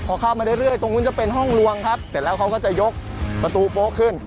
พอเข้ามาเรื่อยตรงนู้นจะเป็นห้องลวงครับเสร็จแล้วเขาก็จะยกประตูโป๊ะขึ้น